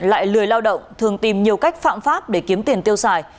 lại lười lao động thường tìm nhiều cách phạm pháp để kiếm tiền tiêu xài